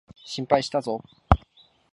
心配したぞ。